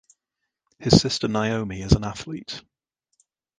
His sister Naomi is an athlete.